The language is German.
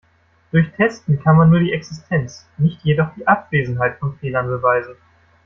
Durch Testen kann man nur die Existenz, nicht jedoch die Abwesenheit von Fehlern beweisen.